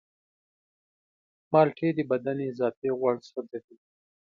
مالټې د بدن اضافي غوړ سوځوي.